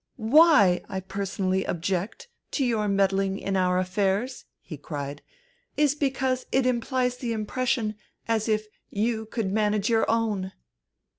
" Why I personally object to your meddling in our affairs," he cried, " is because it implies the impression as if you could manage your own."